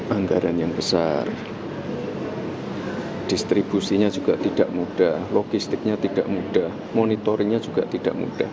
anggaran yang besar distribusinya juga tidak mudah logistiknya tidak mudah monitoringnya juga tidak mudah